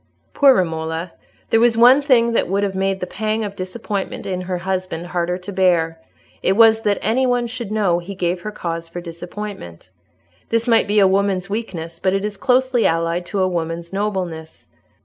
Poor Romola! There was one thing that would have made the pang of disappointment in her husband harder to bear; it was, that any one should know he gave her cause for disappointment. This might be a woman's weakness, but it is closely allied to a woman's nobleness.